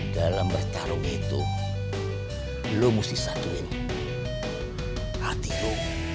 dalam bertarung itu lo mesti satuin hati lo